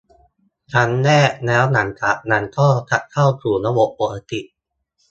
ครั้งแรก แล้วหลังจากนั้นก็จะเข้าสู่ระบบปกติ